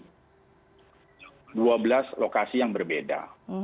jadi kita akan mencari dua puluh dua ratus empat puluh delapan di dua belas lokasi yang berbeda